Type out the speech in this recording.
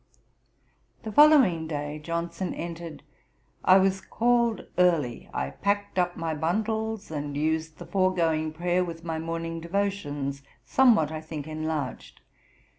The following day Johnson entered: 'I was called early. I packed up my bundles, and used the foregoing prayer with my morning devotions, somewhat, I think, enlarged.